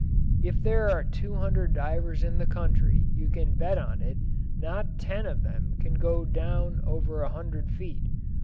If there are two hundred divers in the country, you can bet on it not ten of them can go down over a hundred feet.